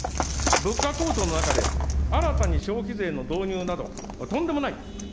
物価高騰の中で、新たに消費税の導入など、とんでもない。